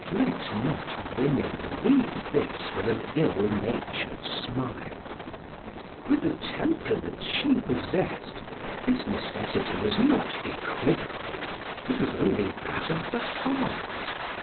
Let not women read this with an ill natured smile; with the temperament she possessed, this necessity was not equivocal, it was only that of the heart.